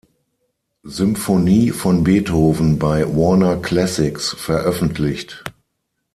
Symphonie von Beethoven bei Warner Classics veröffentlicht.